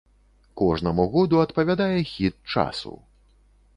Кожнаму году адпавядае хіт часу.